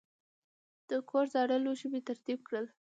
د کور زاړه لوښي مې ترتیب کړل.